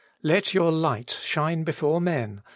Let your light shine before men.